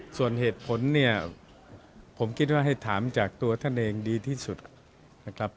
ส่วนเหตุผลเนี่ยผมคิดว่าให้ถามจากตัวท่านเองดีที่สุดนะครับ